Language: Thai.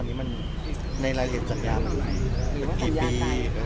สัญญาในรายละเอียดแรงกำลังเป็นกี่ปี